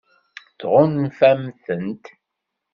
Tɣunfam-tent?